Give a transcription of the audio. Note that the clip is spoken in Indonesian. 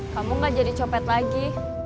kamu gak jadi copet lagi